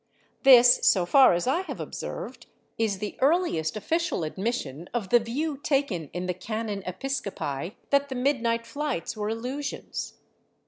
This, so far as I have observed, is the earliest official admission of the view taken in the can. Episcopi that the midnight flights were illusions.